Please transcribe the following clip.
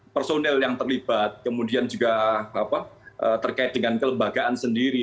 personil yang terlibat kemudian juga terkait dengan kelembagaan sendiri